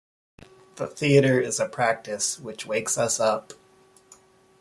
The theatre is a practice, which wakes us up.